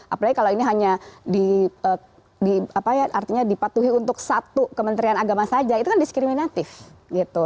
apalagi kalau ini hanya dipatuhi untuk satu kementerian agama saja itu kan diskriminatif gitu